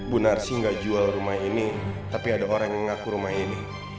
bu narsi gak jual rumah ini tapi ada orang yang ngaku rumah ini